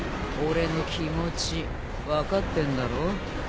俺の気持ち分かってんだろ？